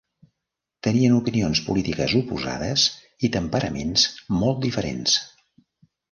Tenien opinions polítiques oposades i temperaments molt diferents.